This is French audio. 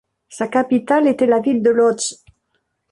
Sa capitale était la ville de Łódź.